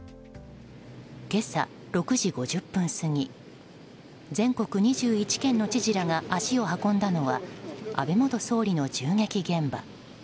今朝６時５０分過ぎ全国２１県の知事らが足を運んだのは安倍元総理の銃撃現場。